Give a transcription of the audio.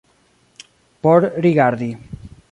Por rigardi.